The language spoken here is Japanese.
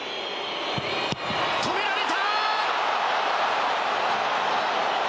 止められた！